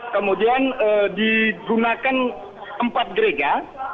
kemudian digunakan empat gereja